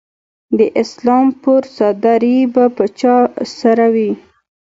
د اسلام پور څادرې به چا سره وي؟